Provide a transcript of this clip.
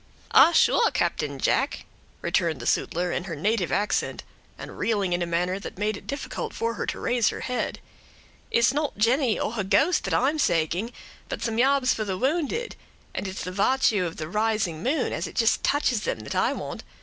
"Ah, sure, Captain Jack," returned the sutler in her native accent, and reeling in a manner that made it difficult for her to raise her head, "it's not Jenny, or her ghost, that I'm saaking, but some yarbs for the wounded. And it's the vartue of the rising moon, as it jist touches them, that I want.